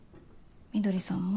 翠さんも？